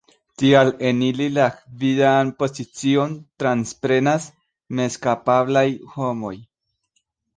Tial en ili la gvidan pozicion transprenas mezkapablaj homoj.